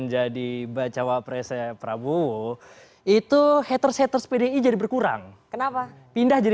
bacawa presnya prabowo itu haters haters pdi jadi berkurang kenapa pindah jadi